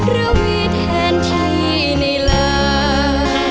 ระวีแทนทัยในลักษณ์